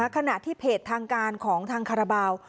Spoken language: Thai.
ขณะที่เพจทางการของทางคาราบาล